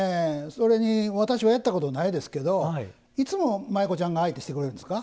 それに、私はやったことないですけどいつも、舞妓ちゃんが相手してくれるんですか？